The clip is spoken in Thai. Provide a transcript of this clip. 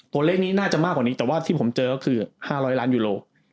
ตัวเลขนี้น่าจะมากกว่านี้แต่ว่าที่ผมเจอก็คือ๕๐๐ล้านยูโร